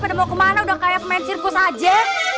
pada mau kemana udah kayak main sirkus aja